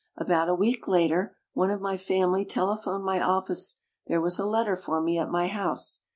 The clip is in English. About a week later, one of my family tele phoned my office there was a letter for me at my house.